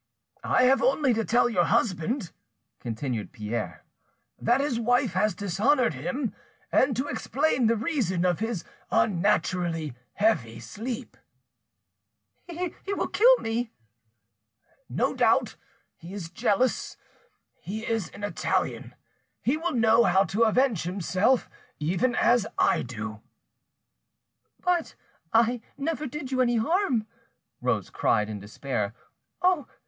"I have only to tell your husband," continued Pierre, "that his wife has dishonoured him, and to explain the reason of his unnaturally heavy sleep." "He will kill me!" "No doubt: he is jealous, he is an Italian, he will know how to avenge himself—even as I do." "But I never did you any harm," Rose cried in despair. "Oh!